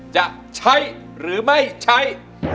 จะใช้หรือไม่ใช้